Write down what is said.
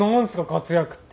活躍って。